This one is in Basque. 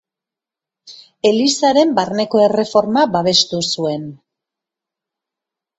Elizaren barneko erreforma babestu zuen.